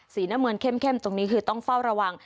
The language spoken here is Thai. สีน้ำเงินเข้มตรงนี้คือต้องเฝ้าระวัง